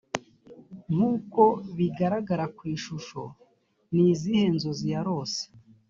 nk’uko bigaragara ku ishusho ni izihe nzozi yarose‽